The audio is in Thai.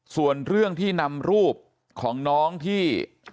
ส่วนเรื่องที่นำรูปของน้องที่